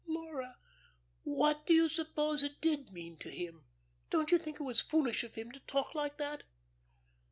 "Laura what do you suppose it did mean to him don't you think it was foolish of him to talk like that?"